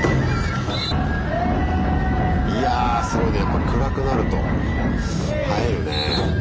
いやすごいねこれ暗くなると映えるね。